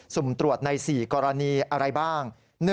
สุ่มตรวจใน๔กรณีอะไรบ้าง